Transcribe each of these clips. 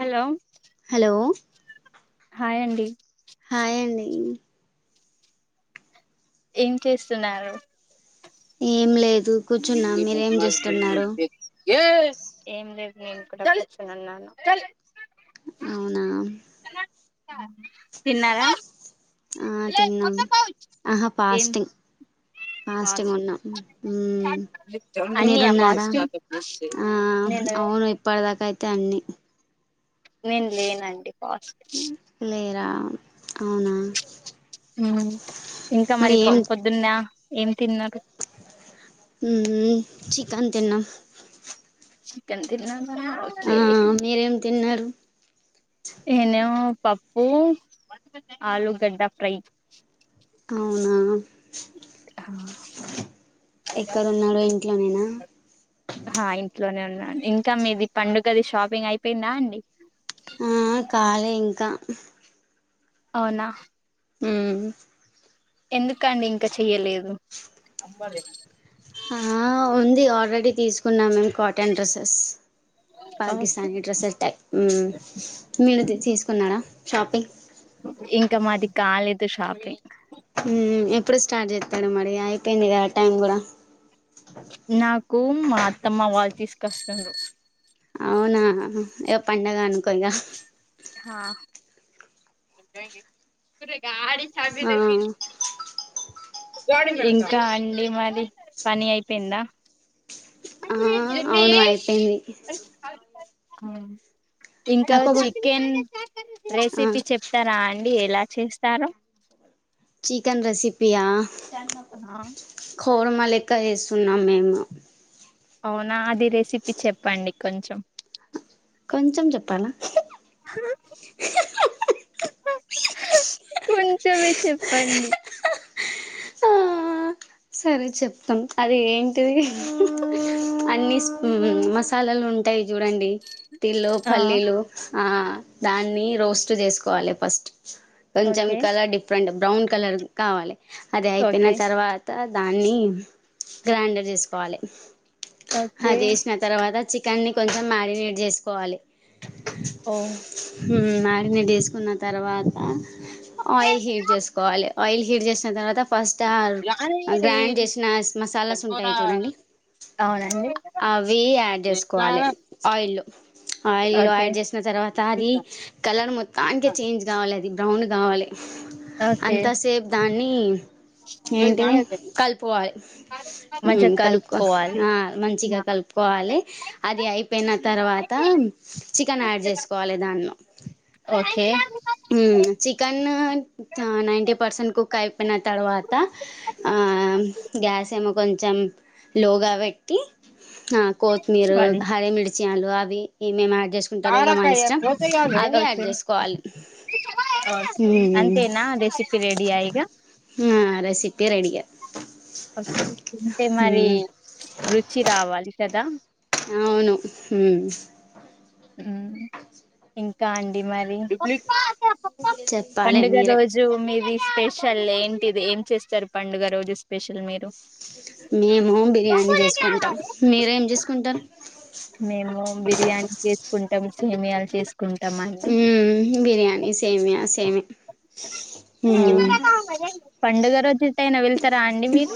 Hello hello hi అండి hi అండి ఏం చేస్తున్నారు ఏం లేదు కూర్చున్నా మీరేం చేస్తున్నారు ఏం లేదు నేను కూడా కూర్చున్నాను అవునా తిన్నారా ఆ తిన్నాం ఆహా ఏం ఫాస్టింగ్ ఫాస్టింగ్ ఫాస్ట్ ఉన్నాం ఉమ్ అన్నీయా మీరున్నారా ఫాస్ట్ ఆ నేను అవును ఇప్పటిదాకా అయి దాన్ని నేను లేనండి కాస్ట్ లేరా అవునా మ్మ్ ఇంకా మరి పొద్దున్న ఏం తిన్నారు మ్మ్ మ్మ్ చికన్ తిన్న చికెన్ తీన్ ఆ మీరేం తిన్నారు నేను పప్పు ఆలుగడ్డ ఫ్రై అవునా ఎక్కడున్నాడో ఇంట్లోనేనా ఆ ఇంట్లోనే ఉన్నాను ఇంకా మీది పండుగది షాపింగ్ అయిపోయిందా అండి ఆ కాలే ఇంకా అవునా ఉమ్ ఎందుకండి ఇంకా చెయ్యలేదు ఆ ఉంది ఆల్రెడీ తీసుకున్నాం మేము cotton dresses okay Pakistani dresses type మీరు తీసుకున్నడా షాపింగ్ ఇంకా మాది కాలేదు షాపింగ్ ఉమ్ ఎప్పుడు స్టార్ట్ చేస్తాడు మరి అయిపోయింది కదా టైం కూడా నాకు మా అత్తమ్మ వాళ్ళు తీసుకొస్తున్నారు. అవునా ఏ పండగ అనుకో ఇగా ఆ చాబీ ఆ నహి ఇంకా అండి మరి పని అయిపోయిందా అ ఆ అవును అయిపోయింది ఇంకా నాకోబల్ చికెన్ రెసిపీ చెప్తారా అండి ఎలా చేస్తారు చికెన్ రెసిపి ఆ ఆ కుర్మ లెక్క చేస్తున్నాం మేము అవునా అది రెసిపీ చెప్పండి కొంచెం కొంచెం చెప్పాలా కొంచమే చెప్పండి ఆ సరే చెప్తాం అది ఏంటిది అన్ని మసాలాలు ఉంటాయి చూడండి తిల్లో ఆ పల్లీలు ఆ దాన్ని రోస్ట్ చేసుకోవాలి ఫస్ట్ కొంచెం okay colour different brown colour కావాలి అది అయిపోయిన ఓకే. తర్వాత దాన్ని గ్రైండర్ చేసుకోవాలి ఓకే. అది చేసిన తర్వాత అన్ని కొంచెం మ్యారినేట్ చేసుకోవాలి ఓ ఉమ్ మ్యారినేట్ వేసుకున్న తర్వాత ఆయిల్ హీట్ చేసుకోవాలి ఆయిల్ హీట్ చేసిన తర్వాత ఫస్ట్ ఆ గ్రాండ్ చేసిన మసాలాస్ ఉంటాయి చూడండి అవునండి. అవి యాడ్ చేసుకోవాలి ఆయిల్ లో ఆయిల్ ఓకే. యాడ్ చేసిన తర్వాత అది కలర్ మొత్తానికే చేంజ్ కావాలి కాల అది బ్రౌన్ కావాలి అంతాసేపు దాన్ని చల్ జా ఫిర్ కలుపోవాలి కలుపుకో కలుపుకోవాలి. ఆ మంచిగా కలుపుకోవాలే అది అయిపోయిన తర్వాత చికెన్ యాడ్ చేసుకోవాలి దాన్లో okay chicken ninety percent cook అయిపోయిన తర్వాత ఆ గ్యాస్ ఏమో కొంచెం లోగా పెట్టి. ఆ కొతిమీరు అది. హరేమిర్చి హలు అవి ఏమేం డ్ చేసుకుంటారు ఇగ మాన్ ఇష్టం. ఓకే. అవి యాడ్ చేసుకోవాల్ ఓకే అంతేనా రెసిపీ రెడియా ఇగ ఆ రెసిపీ రెడీగా ఓకే తింటే మరి హ్మ్ రుచి రావాలి కదా అవును హు ఉమ్ ఇంకా అండి మరి చెప్పాలి పండుగ మీరే రోజు మీది స్పెషల్ ఏంటిది, ఏం చేస్తారు పండుగ రోజు స్పెషల్ మీరు? మేము బిర్యానీ చేసుకుంటాం. మీరేం చేసుకుంటారు? ఓమ్ బిర్యానీ చేసుకుంటాం, సేమ్యలు చేసుక్ ఉమ్ బిర్యాని, సేమ్యా సేమే హ్మ్ ఆ పండుగ టైనా వెళ్తారా అండి. మీరు?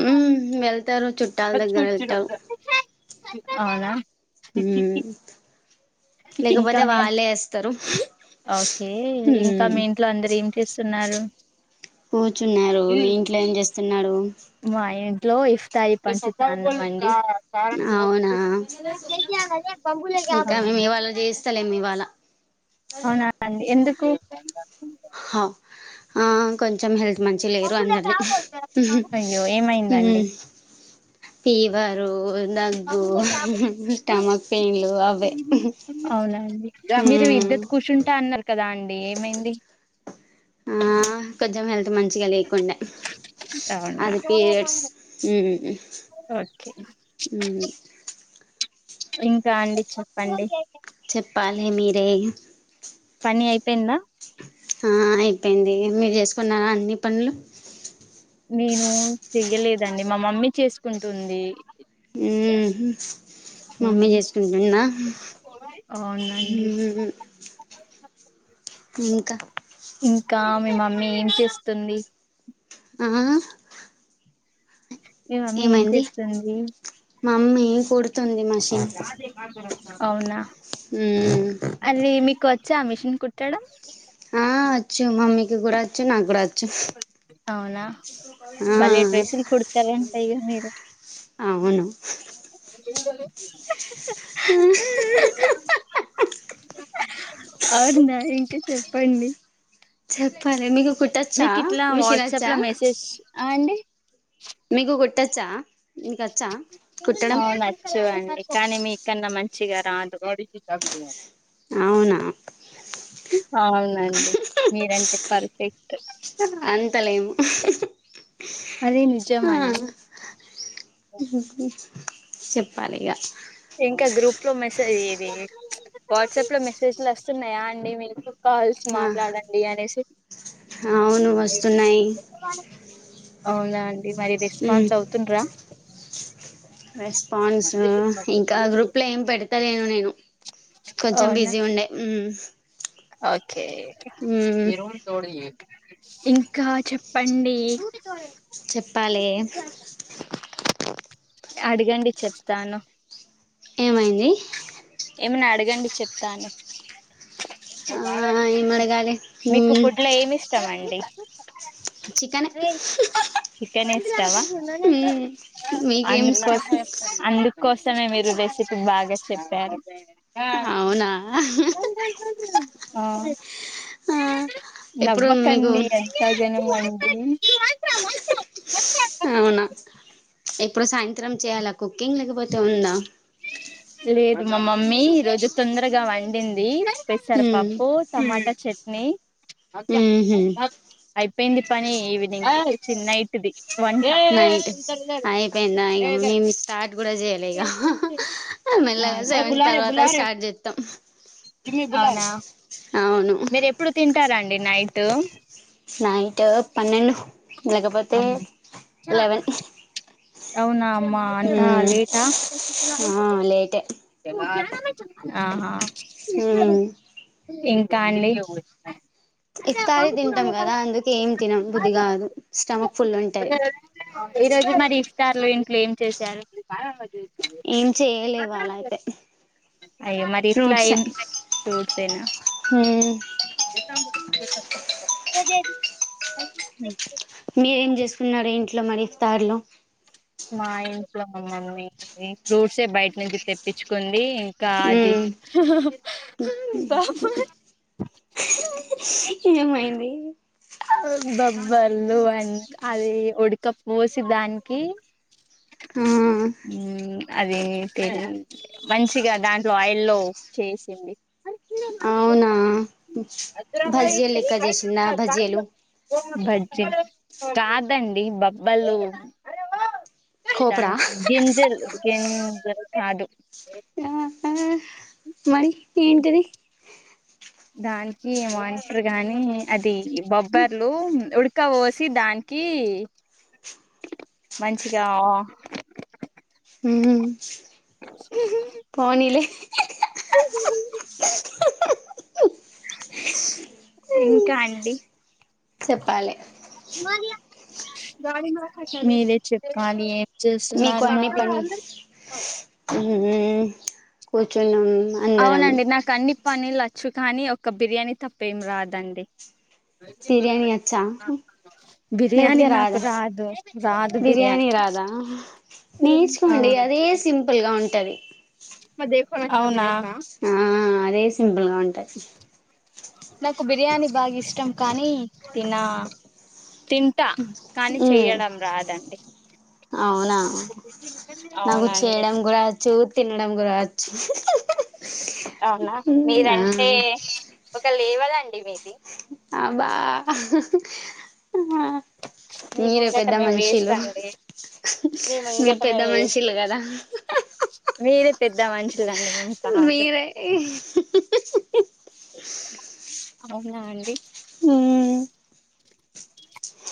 ఉమ్ వెళ్తారు చుట్టాల దగ్గర వెళ్తారు అవునా ఉమ్ ఇంకా లేకపోతే మీ వాళ్ళేస్తారు. ఓకే ఇంకా మీ ఇంట్లో అందరు ఏం చేస్తున్నారు? కూర్చున్నారు. మీ ఇంట్లో ఏం చేస్తున్నారు? మా ఇంట్లో ఇఫ్తాయి పంచుతాన్నం, అండి. అవునా [unintelligible] చలేం ఇవాళ అవునా అండి, ఎందుకు? హ ఆ కొంచెం హెల్త్ మంచిగలేరు అందర్నీ అయ్యో ఏమైందండి ఫీ వరు, దగ్గు, స్టమక్ పెయిన్లు అవే. ఉహ్ రెత్ కూశుంట అన్నారు కదా. అండి ఏమైంది. ఆహ్ కొంచం హెల్త్ త్ మంచిగా లేకుండే. అవునా అది పీరియడ్స్ ఉమ్ ఓకే ఉమ్ ఇంకా అండి. చెప్పండి చెప్పాలి మీరే పని అయిపోయిందా? ఆ అయిపోయింది. మీరు చేసుకున్నారా అన్ని పనులు. నేను చెయ్యలేదండి. మా మమ్మీ చేసుకుంటుంది. ఉమ్ హు మమ్మీ ఉమ్, చేసుకుంటుందా? అవునండి మ్మ్ ఇంకా ఇంకా మీ మమ్మీ ఏం చేస్తుంది. ఆహాహ్ మీ మమ్మీ ఏం చేస్తుంది? మమ్మీ కుడుతుంది. మ అవునా. మ్మ్ అవి మీకు వచ్ చ్చా మిషన్ కుట్టడం. ఆ వచ్చు. మమ్మీకి గూడా వచ్చు, నాగూడా వ అవునా. ఆ బలే డ్రెస్లు కుడతారంట. ఇగ మీరు? అవును ఆహ్ ఆహ్ ఆహ్ అవునా ఇంక చెప్పండి? చెప్పాలి మీకు కుట్టచ్చా మీకు ఇట్లా మిషన్ వాట్సాప్ వచ్చా లో మెసేజ్ ఆ అండి మీకు కుట్టోచ్చా అవునోచ్చు అండి కానీ మీకన్నా మం చిగా రాదు అవునా అవునండి మీరంటే పర్ఫెక్ట్ అంతలేము అదే ఆ నిజమండి చెప్పాలి ఇగ ఇంకా గ్రూప్ లో మెసేజ్ ఇది వాట్సాప్ లో మెసేజ్లు వస్తున్నాయా అండి మీరు కాల్స్ ఆ మాట్లాడండి అనేసి అవును వస్తున్నాయి అవునా అండి మరి మ్మ్ రెస్పాన్స్ అవుతుండ్రా రెస్పాన్సు ఇంకా గ్రూప్లో ఏం పెడతలేను నేను కొంచెం అవునా బిజీ ఉండే హు ఓకే ఇరొం తోడి ఇంకా చెప్పండి చెప్పాలే అడుగండి చెప్తాను ఏమైంది ఏమైనా అడగండి చెప్తాను ఆ ఏం అడగాలి మీకు మ్మ్ ఫుడ్లో ఏమి ఇష్టమండి చికెనే చికెన్ ఇష్టమ మ్మ్ మీకేమి ఇష్టం అందుకోస్ అందుకోసమే మీరు రెసిపీ బాగా చెప్పారు అవునా ఆ ఆ ఇప్పుడు మీకు నవ్వకండి ఎంత జన్ హుమ్ అవునా ఇప్పుడు సాయంత్రం చేయాలా కుకింగ్ లేకపోతే ఉందా లేదు మా మమ్మీ ఈ రోజు తొందరగా వండింది పెసర మ్మ్ పప్పు టమాటా చట్నీ మ్మ్ హ్మ్ అయ్ పోయింది పని ఈవినింగ్ చి నైట్దిి నైట్ అయిపోయిందా ఇగ మేము స్టార్ట్ కూడా చేయలే ఇగ మెల్లగా సెవెన్ తర్వాత స్టార్ట్ చేతం అవునా మీరు ఎప్పుడు తింటారండి నై నైట్ పన్నెండు లేకపోతే లెవెన్ అవునా అమ్మా అంత మ్మ్ లేేటా ఆ లేటే ఆహా హుమ్ కండి ఇఫత్తరి తింటాం కదా అందుకే ఏం తినం బుద్ధి కాదు స్టమక్ ఫుల్ ఉంటది ఈ రోజు మరి ఇఫతార్లు ఇంట్లో ఏం చేశారు ఏం చేయలే ఇవ్వాళ అయితే అయ్యో మరి ఇట్లా ఫ్రూట్స్ ఏం హుమ్ చెతాది మీరేం చేసుకున్నారు ఇంట్లో మరి తార్లో మా ఇంట్లో మ మమ్మీ ఫ్రూట్సే బయట నుంచి తెప్పించుకుంది కాది మ్మ్ బాబోయ్ ఏమైంది బబ్బర్లు అ అది ఉడుక పోసి దానికి హుమ్ అది మంచిగా దాంట్లో ఆయిళ్లో చేసింది అవునా బజ్జీలు లెక్క చేసిండా బజ్జీలు బజ్జి కాదండి బబ్బల్లు కోపడా ఎత్తండు గింజల్ గింజల్ కాదు ఆహా మరి ఏంటిది దానికి మాయిస్టర్ గాని అది బొబ్బర్లు ఉడక పోసి దాన్ కీ మంచిగా మ్మ్ హు అప్పుడే చెయ్యండి ఇంకా అండి చెప్పాలె మీరే చిట్కానీ ఏ మీకు అన్నీ పని మ్మ్ మ్మ్ కూర్చున్నాం అందరం అవునండి నాకు అన్ని పనిలచ్చు కానీ ఒక బిర్యానీ తప్పేం రాదండి బిర్యానీ వచ్చా బిర్యానీ లేకపోతే నాకు రాదా రాదు రాదు బిర్యానీ రాదా ఆ నేర్చుకోండి అదే సింపుల్ గా ఉంటది [unintelligible] అవునా ఆ అదే సింపుల్ గా ఉంటది నాకు బిర్యానీ బాగా ఇష్టం కానీ తిన తింటా కానీ ఉమ్ చెయ్యడం రాదండి అవునా నాకు అవునండి చేయడం కూడా వచ్చు తినడం కూడా వ అవునా మీరంటే ఆ ఒక లేవలండి మీది అబా మీ మీరే ముంగట పెద్ద మేము వేస్ట్ మనిషీలు అండి మీ మీరు ముంగట పెద్ద మేము వేస్ట్ మనుషిలు కదా మీరే పెద్ద మనుషులండి మేము కాదు మీరే అవునా అండి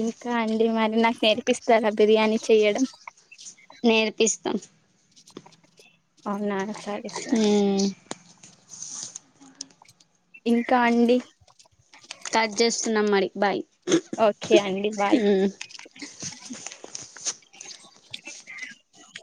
ఇంకా అండి మరి నాకు నేర్పిస్తారా బిర్యానీ చెయ్యడం నేర్పిస్తాం అవునా సరే సరే ఇంకా అండి కట్ చేస్తున్నాం మరి బాయ్ ఓకే అండి బాయ్